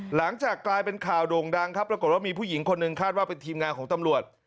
หลังจากกลายเป็นข่าวโด่งดังครับปรากฏว่ามีผู้หญิงคนหนึ่งคาดว่าเป็นทีมงานของตำรวจ